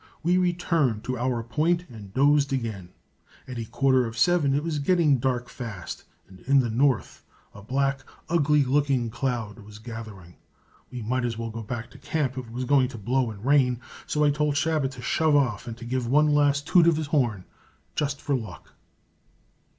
We returned to our point and dozed again. At a quarter of 7 it was getting dark fast, and in the north a black, ugly looking cloud was gathering. We might as well go back to camp if it was going to blow and rain, so I told Chabot to shove off and to give one last toot of his horn, just for luck.